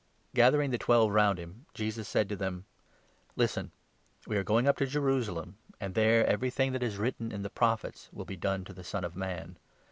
Gathering the Twelve round him, Jesus said to . thi"Ut?me, them : roret«ii« " Listen ! We are going up to Jerusalem ; and hi* Death, there everything that is written in the Prophets will be done to the Son of Man.